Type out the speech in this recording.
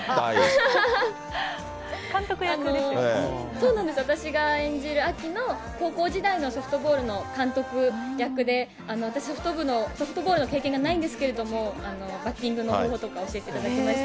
そうなんですよ、私が演じる亜季の高校時代のソフトボールの監督役で、私、ソフトボールの経験がないんですけれども、バッティングのこととか教えていただきました。